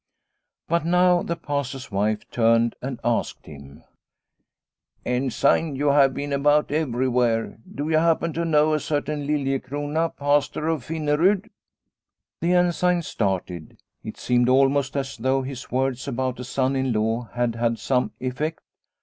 But now the Pastor's wife turned and asked him :" Ensign, you have been about everywhere, do you happen to know a certain Liliecrona, pastor of Finnerud ?" The Ensign started. It seemed almost as though his words about a son in law had had some effect.